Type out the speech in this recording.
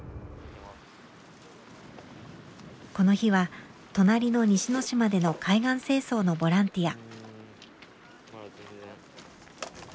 この日は隣の西ノ島での海岸清掃のボランティア。